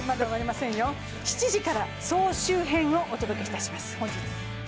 本日７時から総集編をお届けします。